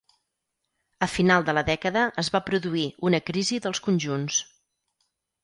A final de la dècada es va produir una crisi dels conjunts.